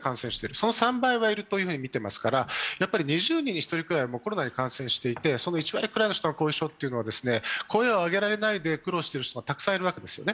その３倍はいると見ていますから、２０人に１人ぐらいがコロナに感染していて、その１割くらいは後遺症という声を上げられないで苦労している人がたくさんいるわけですよね。